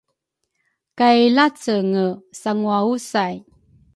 kay lacenge sanguausay.